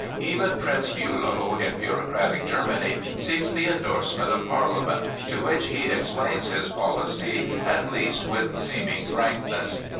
Even Prince Billow in bureaucratic Germany seeks the endorsement of Parliament, to which he explains his policy at least with seeming frankness.